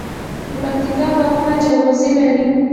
د پکتیکا باغونه جلغوزي لري.